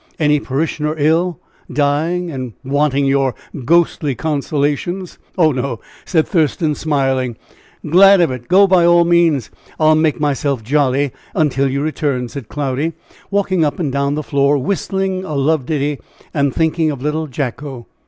Any parishioner ill, dying and wanting your ghostly consolations?" "Oh, no," said Thurston, smiling. "Glad of it! Go, by all means. I will make myself jolly until you return," said Cloudy, walking up and down the floor whistling a love ditty, and thinking of little Jacko.